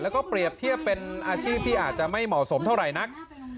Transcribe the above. แล้วก็เปรียบเทียบเป็นอาชีพที่อาจจะไม่เหมาะสมเท่าไหร่นัก